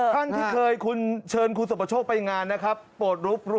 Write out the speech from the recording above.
ขั้นที่เคยคุณเชิญคุณสมประโชคไปงานนะครับ